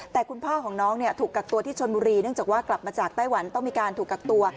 แต่คุณพ่อของน้องถูกกักตัวที่ชนบุรีเนื่องจากว่ากลับมาจากไต้หวันต้องมีการถูกกักตัว